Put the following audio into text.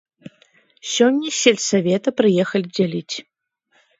Сёння з сельсавета прыехалі дзяліць.